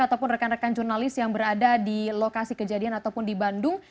ataupun rekan rekan jurnalis yang berada di lokasi kejadian ataupun di bandung